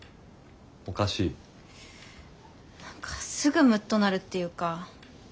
おかしい？何かすぐムッとなるっていうか。